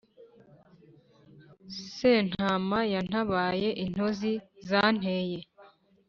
sentama yantabaye intozi zanteye